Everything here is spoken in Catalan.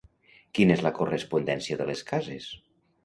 Quina és la correspondència de les cases?